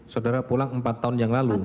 saudara pulang empat tahun yang lalu